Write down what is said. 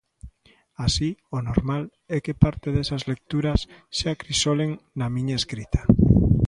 Así, o normal é que parte desas lecturas se acrisolen na miña escrita.